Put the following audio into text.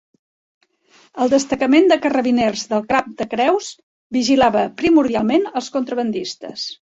El destacament de carrabiners del Cap de Creus vigilava, primordialment, els contrabandistes.